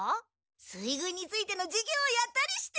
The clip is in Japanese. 水軍についての授業やったりして。